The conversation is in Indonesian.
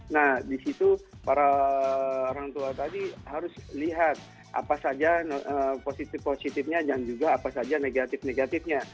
nah di situ para orang tua tadi harus lihat apa saja positif positifnya dan juga apa saja negatif negatifnya